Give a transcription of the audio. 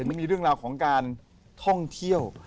ไม่มีเรื่องราวของการท่องเที่ยว